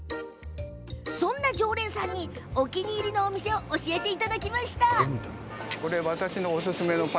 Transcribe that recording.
そんな常連さんにお気に入りのお店を教えてもらいました！